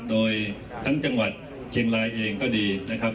โดยทั้งจังหวัดเชียงรายเองก็ดีนะครับ